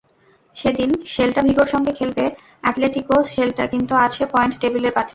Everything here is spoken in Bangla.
সেদিন সেল্টা ভিগোর সঙ্গে খেলবে অ্যাটলেটিকো, সেল্টা কিন্তু আছে পয়েন্ট টেবিলের পাঁচে।